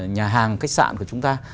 nhà hàng khách sạn của chúng ta